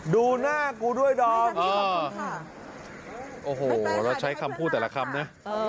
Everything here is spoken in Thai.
ดูหน้ากูด้วยดอมโอ้โหแล้วใช้คำพูดแต่ละคำนะ